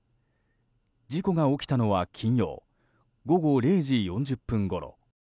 事故が起きたのは金曜午後０時４０分ごろ。